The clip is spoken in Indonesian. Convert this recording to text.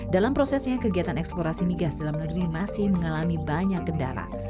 dalam prosesnya kegiatan eksplorasi migas dalam negeri masih mengalami banyak kendala